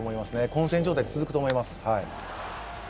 混戦状態が続くと思います。